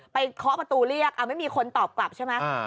เคาะประตูเรียกไม่มีคนตอบกลับใช่ไหม